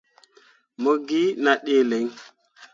Mo gi nah ɗǝǝ lǝŋ.